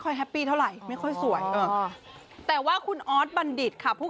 แฮปปี้เท่าไหร่ไม่ค่อยสวยแต่ว่าคุณออสบัณฑิตค่ะผู้